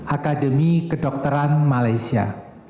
akademi kedokteran malaysia